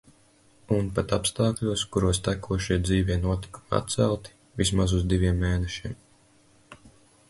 Un pat apstākļos, kuros tekošie, dzīvie notikumi atcelti vismaz uz diviem mēnešiem...